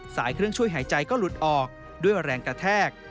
สายเครื่องช่วยหายใจก็หลุดออกด้วยแรงกระแทก